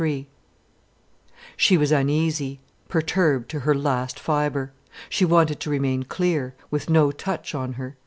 III She was uneasy, perturbed to her last fibre. She wanted to remain clear, with no touch on her.